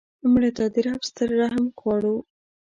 مړه ته د رب ستر رحم غواړو